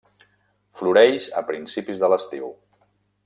Floreix a principi de l'estiu.